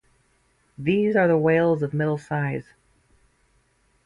These are the whales of middle size.